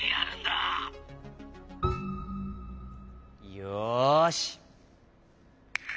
よし。